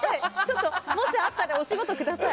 もしあったらお仕事ください。